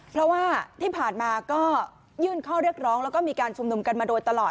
เพราะว่าที่ผ่านมาก็ยื่นข้อเรียกร้องแล้วก็มีการชุมนุมกันมาโดยตลอด